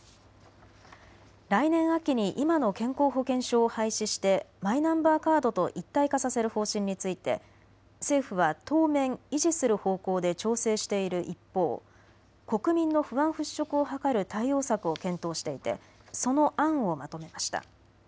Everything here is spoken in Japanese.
来年秋に今の健康保険証を廃止してマイナンバーカードと一体化させる方針について政府は当面維持する方向で調整している一方、国民の不安払拭を図る対応策を検討していてその案をまとめました。